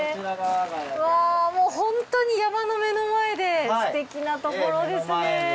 うわぁもうホントに山の目の前ですてきなところですね。